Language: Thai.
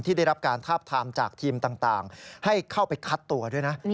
ได้รับการทาบทามจากทีมต่างให้เข้าไปคัดตัวด้วยนะ